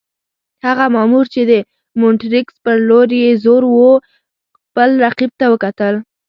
هغه مامور چې د مونټریکس پر لور یې زور وو، خپل رقیب ته وکتل.